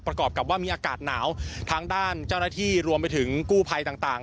ประกอบกับว่ามีอากาศหนาวทางด้านเจ้าหน้าที่รวมไปถึงกู้ภัยต่าง